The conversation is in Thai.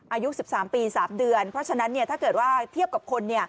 อายุ๑๓ปี๓เดือนเพราะฉะนั้นถ้าเกิดว่าเทียบกับคน